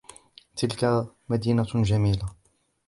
تلك مدينة جميلة.